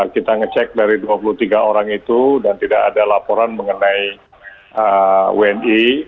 kita ngecek dari dua puluh tiga orang itu dan tidak ada laporan mengenai wni